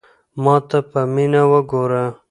ما ته په مینه وگوره.